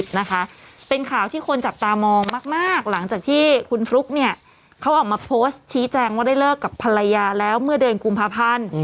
บอกว่าไม่ใช่ตาเติมเขาฝันว่ามีผู้ชาย๑คนผู้หญิง๔คนเป็นคนแก่